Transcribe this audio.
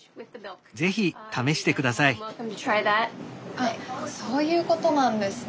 あそういうことなんですね。